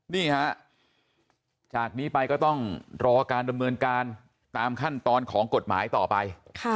นี่ฮะจากนี้ไปก็ต้องรอการดำเนินการตามขั้นตอนของกฎหมายต่อไป